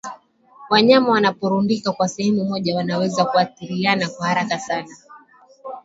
Wanyama wanaporundikwa sehemu moja wanaweza kuathiriana kwa haraka sana